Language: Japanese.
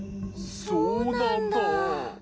そうなんだ。